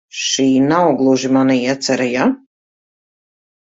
Šī nav gluži mana iecere, ja?